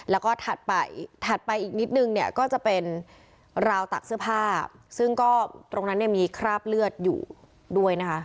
แล้วก็ถัดไปถัดไปอีกนิดนึงเนี่ยก็จะเป็นราวตักเสื้อผ้าซึ่งก็ตรงนั้นเนี่ยมีคราบเลือดอยู่ด้วยนะคะ